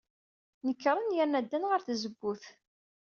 Nekren yerna ddan ɣer tzewwut.